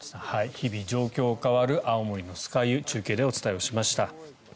日々、状況が変わる青森の酸ケ湯中継でお伝えしました。